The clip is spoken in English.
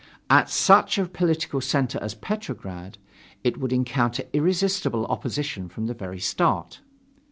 At such a political center as Petrograd, it would encounter irresistible opposition from the very start.